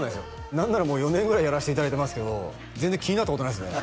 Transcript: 何ならもう４年ぐらいやらせていただいてますけど全然気になったことないですね